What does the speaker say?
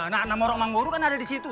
nah nomor orang mang boru kan ada di situ